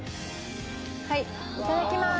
はいいただきます。